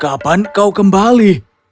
kapan kau kembali